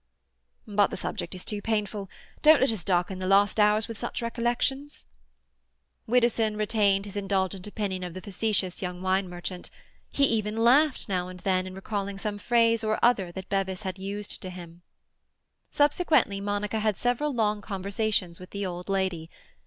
But the subject is too painful. Don't let us darken the last hours with such reflections." Widdowson retained his indulgent opinion of the facetious young wine merchant. He even laughed now and then in recalling some phrase or other that Bevis had used to him. Subsequently, Monica had several long conversations with the old lady.